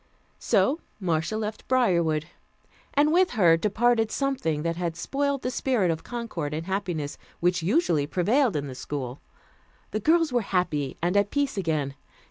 So Marcia left Briarwood, and with her departed something that had spoiled the spirit of concord and happiness which usually prevailed in the school. The girls were happy and at peace again.